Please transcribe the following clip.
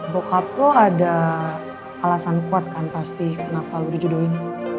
bokap lo ada alasan kuat kan pasti kenapa lu dijodohin